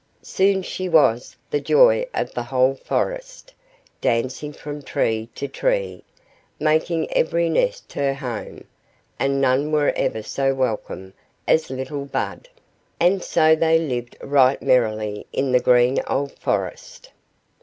Soon she was the joy of the whole forest, dancing from tree to tree, making every nest her home, and none were ever so welcome as little Bud; and so they lived right merrily in the green old forest.